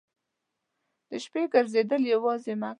د شپې ګرځېدل یوازې مه کوه.